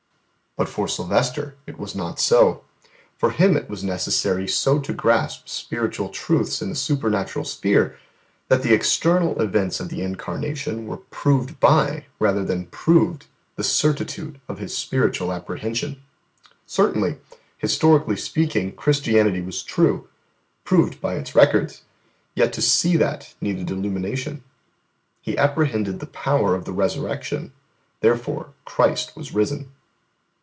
But for Silvester it was not so. For Him it was necessary so to grasp spiritual truths in the supernatural sphere that the external events of the Incarnation were proved by rather than proved the certitude of His spiritual apprehension. Certainly, historically speaking, Christianity was true proved by its records yet to see that needed illumination. He apprehended the power of the Resurrection, therefore Christ was risen.